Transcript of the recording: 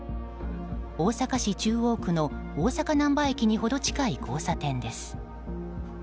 大阪市中央区の大阪・難波駅にほど近い交差点です。